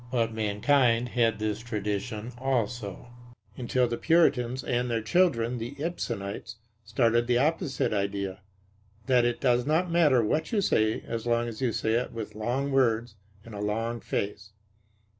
But mankind had this tradition also, until the Puritans and their children, the Ibsenites, started the opposite idea, that it does not matter what you say so long as you say it with long words and a long face.